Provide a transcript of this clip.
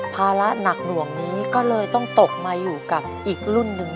ภาระหนักหน่วงนี้ก็เลยต้องตกมาอยู่กับอีกรุ่นหนึ่ง